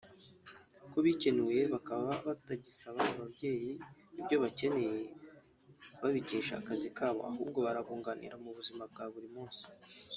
ko bikenuye bakaba batagisaba ababyeyi ibyo bakeneye babikesha akazi kabo ahubwo barabunganira mu buzima bwa buri munsi